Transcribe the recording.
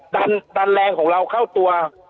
ดันแรงของเราเข้าตัว